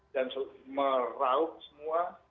dan meraup semua